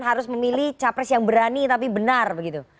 harus memilih capres yang berani tapi benar begitu